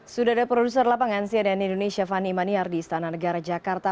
sudah ada produser lapangan cnn indonesia fani maniar di istana negara jakarta